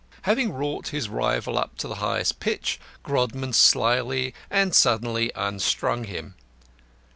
Having wrought his rival up to the highest pitch, Grodman slyly and suddenly unstrung him.